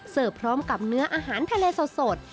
พร้อมกับเนื้ออาหารทะเลสด